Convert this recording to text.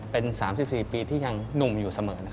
เป็น๓๔ปีที่ยังหนุ่มอยู่เสมอ